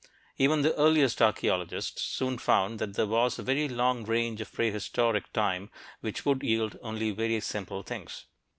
Even the earliest archeologists soon found that there was a very long range of prehistoric time which would yield only very simple things.